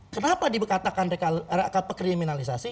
kenapa dikatakan pekriminalisasi